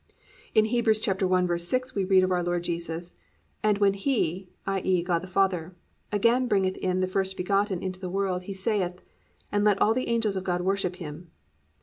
In Heb. 1:6, we read of our Lord Jesus, +"And when He+ (i.e., God the Father) +again bringeth in the first begotten into the world he saith, and let all the angels of God worship him."